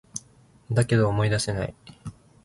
だけど、思い出せない